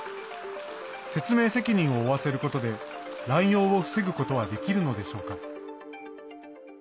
説明責任を負わせることで乱用を防ぐことはできるのでしょうか。